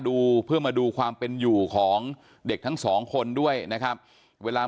ดูเพื่อมาดูความเป็นอยู่ของเด็กทั้งสองคนด้วยนะครับเวลา